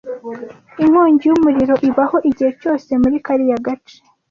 Inkongi y'umuriro ibaho igihe cyose muri kariya gace.